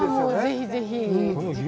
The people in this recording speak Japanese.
ぜひぜひ。